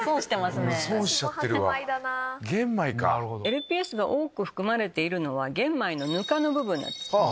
ＬＰＳが多く含まれているのは玄米のぬかの部分なんです。